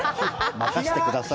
任してください。